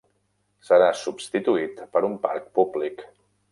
Serà substituït per un parc públic.